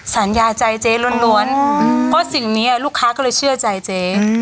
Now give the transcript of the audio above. สัญญาใจเจ๊ล้วนเพราะสิ่งนี้ลูกค้าก็เลยเชื่อใจเจ๊